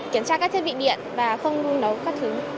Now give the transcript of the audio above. kiểm tra các thiết bị điện và không nấu các thứ